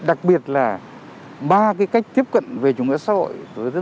đặc biệt là ba cái cách tiếp cận về chủ nghĩa xã hội